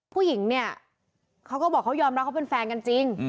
ผู้หญิงเนี่ยเขาก็บอกเขายอมรับเขาเป็นแฟนกันจริง